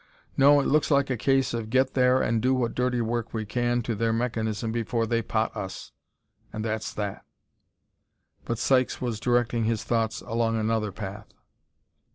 "No, it looks like a case of get there and do what dirty work we can to their mechanism before they pot us and that's that!" But Sykes was directing his thoughts along another path.